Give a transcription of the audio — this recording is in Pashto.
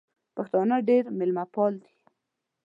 پښتانه ډېر مېلمه پال دي